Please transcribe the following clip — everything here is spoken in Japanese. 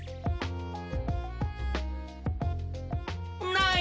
ない！